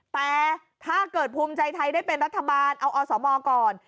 แต่ถ้าเกิดภูมิใจไทยได้เป็นรัฐบาลเอาอสมก่อน